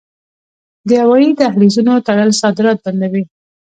د هوایی دهلیزونو تړل صادرات بندوي.